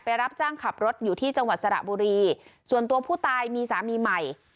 รับจ้างขับรถอยู่ที่จังหวัดสระบุรีส่วนตัวผู้ตายมีสามีใหม่